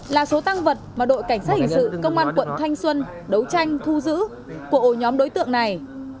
là số tăng vật mà đội cảnh sát hình sự công an quận thanh xuân đấu tranh thu giữ của nhóm đối tượng này